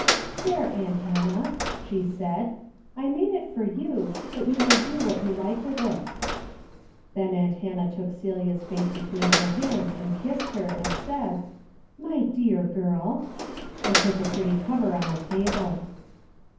" There, aunt Hannah," she said, " I made it for you, but you ma}^ do what you like with it." Then aunt Hannah took Celia's face between her hands and kissed her and said, " My dear girl !" and put the pretty cover on the table.